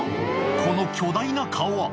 この巨大な顔は。